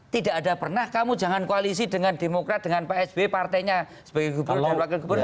tidak ada pernah kamu jangan koalisi dengan demokrat dengan pak sby partainya sebagai gubernur dan wakil gubernur